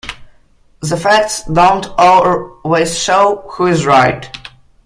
The facts don't always show who is right.